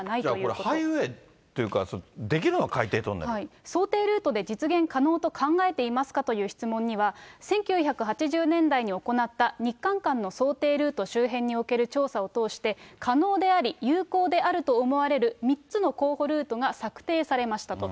これ、ハイウェイっていうか、想定ルートで実現可能と考えていますか？という質問には、１９８０年代に行った日韓間の想定ルート周辺における調査を通して、可能であり有効であると思われる３つの候補ルートが策定されましたと。